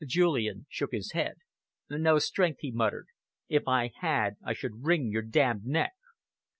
Julian shook his head. "No strength," he muttered. "If I had, I should wring your damned neck!"